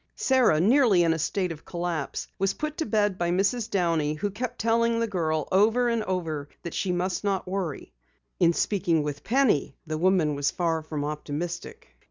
Sara, nearly in a state of collapse, was put to bed by Mrs. Downey, who kept telling the girl over and over that she must not worry. In speaking with Penny, the woman was far from optimistic.